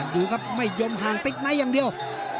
ดูครับไม่ยอมห่างติ๊กไนท์อย่างเดียว